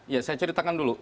iya saya ceritakan dulu